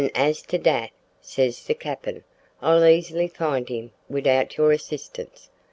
as to dat,' ses de cappin, `I'll easily find him widout your assistance.